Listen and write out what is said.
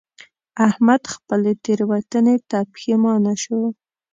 احمد خپلې تېروتنې ته پښېمانه شو.